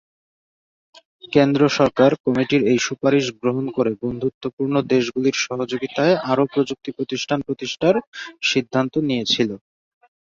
কেন্দ্র সরকার কমিটির এই সুপারিশ গ্রহণ ক'রে বন্ধুত্বপূর্ণ দেশগুলির সহযোগিতায় আরও প্রযুক্তি প্রতিষ্ঠান প্রতিষ্ঠার সিদ্ধান্ত নিয়েছিল।